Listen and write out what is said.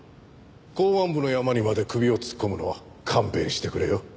公安部のヤマにまで首を突っ込むのは勘弁してくれよ。